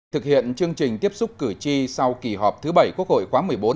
thực hiện chương trình tiếp xúc cử tri sau kỳ họp thứ bảy quốc hội khóa một mươi bốn